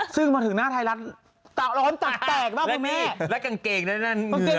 ซึ่งมาถึงหน้าไทยร้อนต่างมากคุณแม่